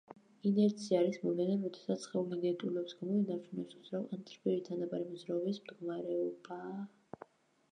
ინერცია არის მოვლენა, როდესაც სხეული ინერტიულობის გამო ინარჩუნებს უძრავ ან წრფივი თანაბარი მოძრაობის მდგომარეობაა.